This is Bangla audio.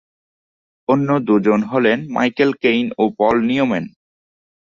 অন্য দুজন হলেন মাইকেল কেইন ও পল নিউম্যান।